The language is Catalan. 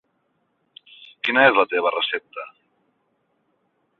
Quina és la teva recepta?